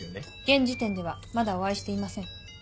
現時点ではまだお会いしていません。